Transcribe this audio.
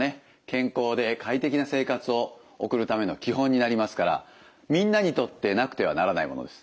健康で快適な生活を送るための基本になりますからみんなにとってなくてはならないものです。